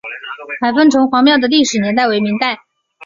海丰城隍庙的历史年代为明代。